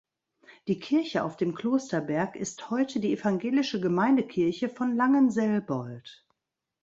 Die Kirche auf dem Klosterberg ist heute die evangelische Gemeindekirche von Langenselbold.